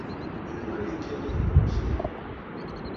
Yiwen ur yekki nnig n tmusni.